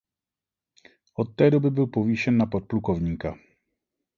Od té doby byl povýšen na podplukovníka.